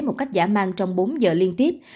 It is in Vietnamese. một cách giả mang trong bốn giờ liên tiếp